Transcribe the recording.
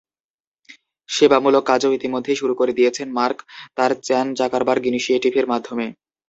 সেবামূলক কাজও ইতিমধ্যেই শুরু করে দিয়েছেন মার্ক তাঁর চ্যান-জাকারবার্গ ইনিশিয়েটিভের মাধ্যমে।